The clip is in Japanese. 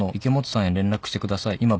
池本さんへ連絡してください」